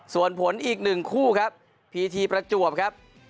ส่วนผลอีกหนึ่งคู่ครับพีทีประจวบครับ